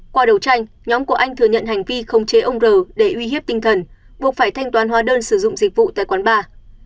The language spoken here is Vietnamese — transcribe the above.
qua đầu tranh nhóm của anh thừa nhận hành vi khống chế ông r để uy hiếp tinh thần buộc phải thanh toán hóa đơn sử dụng dịch vụ tại quán bar